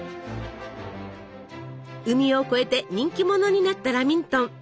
海を越えて人気者になったラミントン。